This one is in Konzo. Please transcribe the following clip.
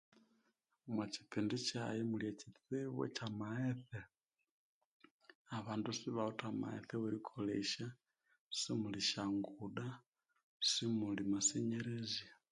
Omwakipindi kyaghe music ekistsibo ekyamaghetse esyanguda namasenyerezi